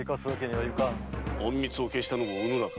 隠密を消したのもうぬらか？